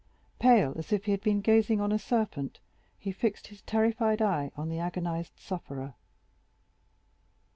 Pale as if he had been gazing on a serpent, he fixed his terrified eye on the agonized sufferer.